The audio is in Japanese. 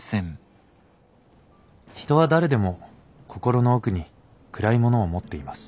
人は誰でも心の奥に暗いものを持っています。